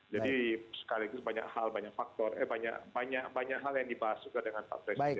jadi sekaligus banyak hal banyak faktor banyak hal yang dibahas juga dengan pak presiden kemarin